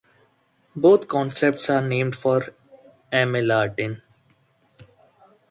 Both concepts are named for Emil Artin.